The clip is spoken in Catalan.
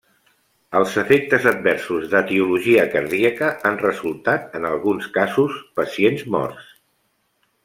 Els efectes adversos d'etiologia cardíaca han resultat en alguns casos pacients morts.